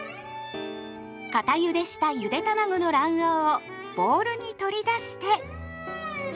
固ゆでしたゆでたまごの卵黄をボウルに取り出して。